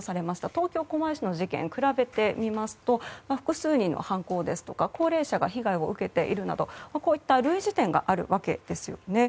東京・狛江市の事件を比べてみますと複数人の犯行ですとか高齢者が被害を受けているなどこういった類似点があるわけですよね。